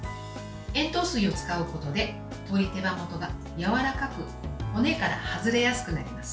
塩糖水を使うことで鶏手羽元がやわらかく骨から外れやすくなります。